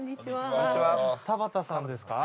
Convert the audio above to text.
田端さんですか？